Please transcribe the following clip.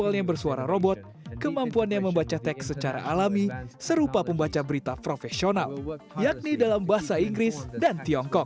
awalnya bersuara robot kemampuannya membaca teks secara alami serupa pembaca berita profesional yakni dalam bahasa inggris dan tiongkok